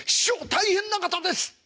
大変な方です！」。